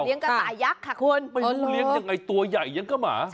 เลี้ยงกระต่ายยักษ์ค่ะคุณไปเลี้ยงอย่างไอ้ตัวใหญ่อย่างก็มา